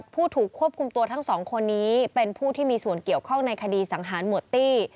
ผู้ถูกควบคุมตัวทั้งสองคนนี้เป็นผู้ที่มีส่วนเกี่ยวข้องในคดีสังหารหมวดตี้